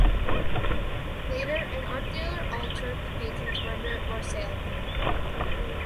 Later an art dealer altered the painting to render it more saleable.